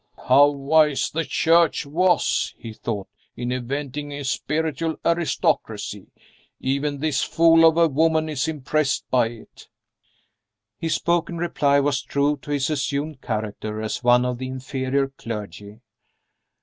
"How wise the Church was," he thought, "in inventing a spiritual aristocracy. Even this fool of a woman is impressed by it." His spoken reply was true to his assumed character as one of the inferior clergy.